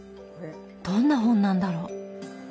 どんな本なんだろう。